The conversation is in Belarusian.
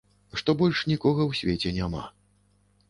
Што больш нікога ў свеце няма.